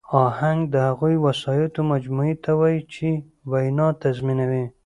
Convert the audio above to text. آهنګ د هغو وسایطو مجموعې ته وایي، چي وینا تنظیموي.